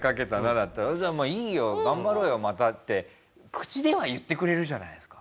だったら「いいよ。頑張ろうよまた」って口では言ってくれるじゃないですか。